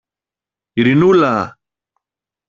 Ειρηνούλα!